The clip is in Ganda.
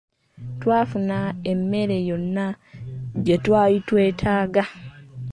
Twafuna emmere yonna gye twali twetaaga.